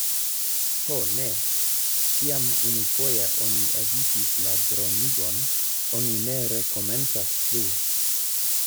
Ho, ne! Kiam unufoje oni evitis la dronigon, oni ne rekomencas plu.